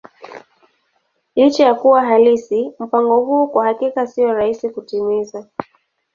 Licha ya kuwa halisi, mpango huu kwa hakika sio rahisi kutimiza.